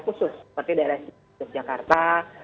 khusus seperti daerah daerah jakarta